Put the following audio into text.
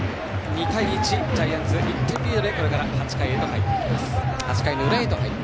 ２対１、ジャイアンツが１点リードで８回の裏へと入っていきます。